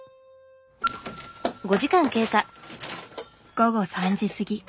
午後３時過ぎ。